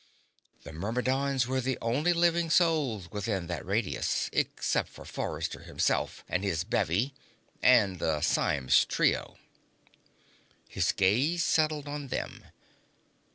The Myrmidons were the only living souls within that radius, except for Forrester himself and his bevy and the Symes trio. His gaze settled on them.